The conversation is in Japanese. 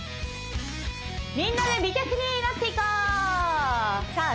みんなで美脚になっていこうさあ